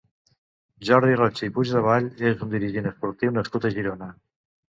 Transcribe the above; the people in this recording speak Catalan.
Jordi Roche i Puigdevall és un dirigent esportiu nascut a Girona.